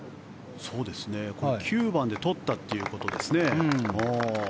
９番で取ったということですね。